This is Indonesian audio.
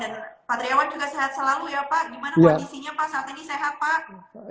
dan pak treawan juga sehat selalu ya pak gimana kondisinya pak saat ini sehat pak